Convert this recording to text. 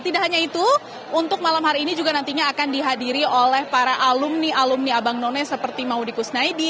tidak hanya itu untuk malam hari ini juga nantinya akan dihadiri oleh para alumni alumni abang none seperti maudikus naidi